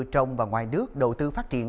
trong và ngoài nước đầu tư phát triển